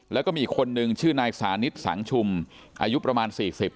แล้วก็มีอีกคนนึงชื่อนายสานิทสังชุมอายุประมาณ๔๐